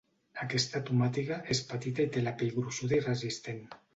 Aquesta tomàtiga és petita i té la pell gruixada i resistent.